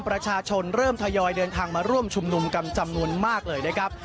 ประชาชนเริ่มทยอยเดินทางมาร่วมชุมนุมกันจำนวนมากเลยนะครับ